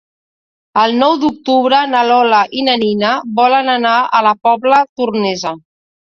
El nou d'octubre na Lola i na Nina volen anar a la Pobla Tornesa.